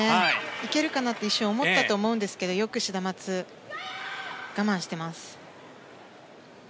行けるかなと一瞬、思ったと思うんですがよくシダマツ、我慢してます。